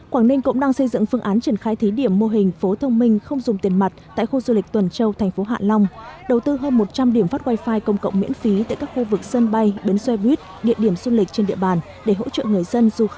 quảng ninh cũng đang xây dựng phương án triển khai thí điểm mô hình phố thông minh không dùng tiền mặt tại khu du lịch tuần châu thành phố hạ long